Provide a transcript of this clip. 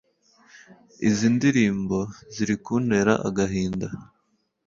izi ndirimbo ziri kuntera agahinda